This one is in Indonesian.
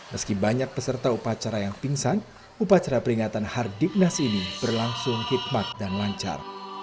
meski banyak peserta upacara yang pingsan upacara peringatan hardiknas ini berlangsung hikmat dan lancar